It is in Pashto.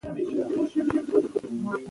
ځمکه د افغانستان د امنیت په اړه هم اغېز لري.